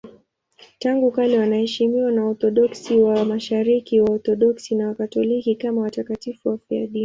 Tangu kale wanaheshimiwa na Waorthodoksi wa Mashariki, Waorthodoksi na Wakatoliki kama watakatifu wafiadini.